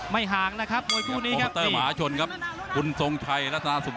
ไม่ห่างนะครับมวยผู้นี้ครับ